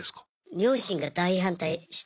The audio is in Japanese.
両親が大反対して。